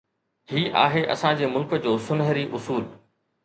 هي آهي اسان جي ملڪ جو سونهري اصول.